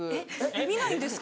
見ないんですか？